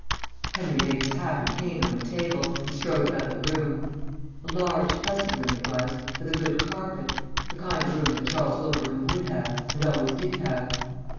Henry laid his hat and cane on a table, and strode about the room. A large pleasant room it was, with a good carpet; the kind of room that Charles Wilbraham would have, and always did have.